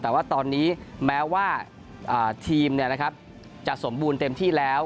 แต่ว่าตอนนี้แม้ว่าทีมจะสมบูรณ์เต็มที่แล้ว